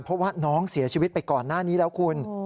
เพราะว่าน้องเสียชีวิตไปก่อนหน้านี้แล้วคุณ